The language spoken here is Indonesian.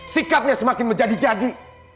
sikapnya semakin menjadi jadi